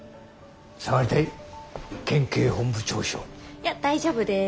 いや大丈夫です。